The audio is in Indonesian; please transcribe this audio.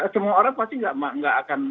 semua orang pasti nggak akan